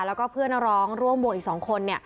และเพื่อนร้องร่วมบวกอีกสองคน